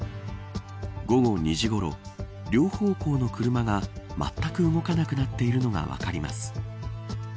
午後２時ごろ両方向の車が、まったく動かなくなっているのが分かります。